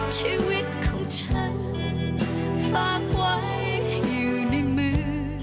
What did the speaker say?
ชีวิตของฉันฝากไว้อยู่ในมือ